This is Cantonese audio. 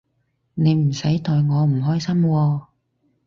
你唔使代我唔開心喎